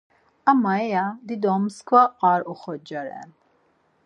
Ama iya dido mskva ar oxorca ren.